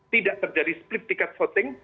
tidak terjadi splip ticket voting